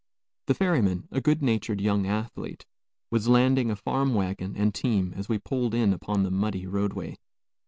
The ferryman, a good natured young athlete, was landing a farm wagon and team as we pulled in upon the muddy roadway.